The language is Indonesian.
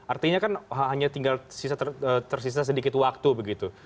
artinya kan hanya tinggal tersisa sedikit waktu begitu